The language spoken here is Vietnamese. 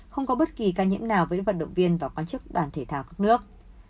không có bất kỳ ca nhiễm nào với vận động viên và quan chức đoàn thể thao các nước